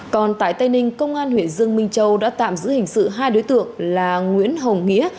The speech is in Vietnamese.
còn tại tây ninh công an huyện dương minh châu đã tạm giữ hình sự hai đối tượng là nguyễn hồng nghĩa